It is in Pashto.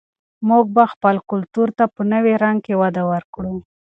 موږ به خپل کلتور ته په نوي رنګ کې وده ورکړو.